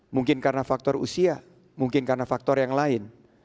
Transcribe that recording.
mungkin karena faktor usia mungkin karena faktor yang lain